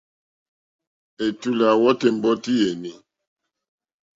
Ɛ̀tùlɛ̀ à wɔ́tì ɛ̀mbɔ́tí yèní.